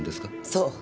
そう。